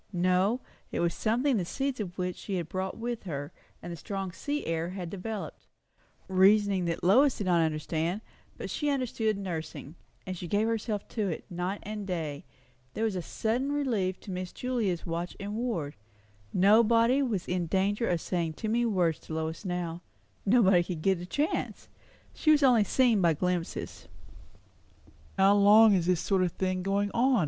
No, it was something the seeds of which she had brought with her; and the strong sea air had developed it. Reasoning which Lois did not understand; but she understood nursing, and gave herself to it, night and day. There was a sudden relief to Miss Julia's watch and ward; nobody was in danger of saying too many words to Lois now; nobody could get a chance; she was only seen by glimpses. "How long is this sort of thing going on?"